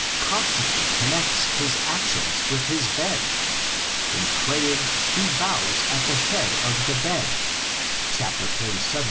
constantly connects his actions with his bed: in praying he bows at the head of the bed, xlvii.